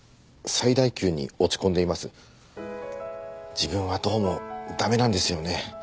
自分はどうも駄目なんですよね。